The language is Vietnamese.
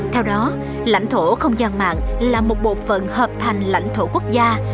theo đó lãnh thổ không gian mạng là một bộ phận hợp thành lãnh thổ quốc gia